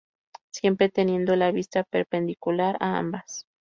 Siempre teniendo la vista perpendicular a ambas.